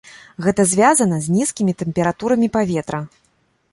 Гэта звязана з нізкімі тэмпературамі паветра.